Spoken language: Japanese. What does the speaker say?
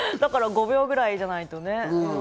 ５秒ぐらいじゃないとね。